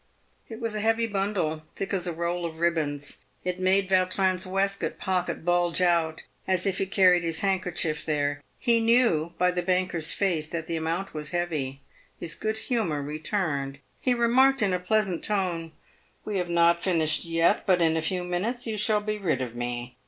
It was a heavy bundle, thick as a roll of ribbons. It made Yau trin's waistcoat pocket bulge out as if he carried his handker chief there. He knew by the banker's face that the amount was heavy. His good humour returned. He remarked, in a pleasant tone, " "We have not finished yet, but in a few minutes you shall be rid of me.